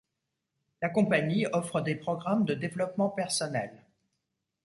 La compagnie offre des programmes de développement personnel.